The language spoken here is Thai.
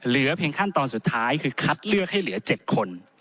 เหลือเพียงขั้นตอนสุดท้ายคือคัดเลือกให้เหลือ๗คน